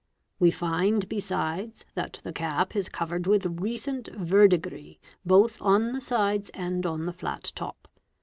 We find besides that the cap is covered with recent ver ~ digris, both on the sides and on the flat top.